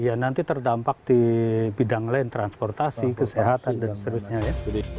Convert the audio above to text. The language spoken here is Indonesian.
ya nanti terdampak di bidang lain transportasi kesehatan dan seterusnya ya